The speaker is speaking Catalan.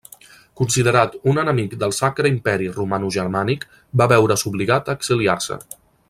Considerat un enemic del Sacre Imperi Romanogermànic va veure's obligat a exiliar-se.